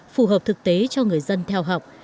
phù hợp thực tế cho người dân theo học